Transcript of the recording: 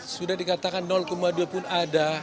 sudah dikatakan dua pun ada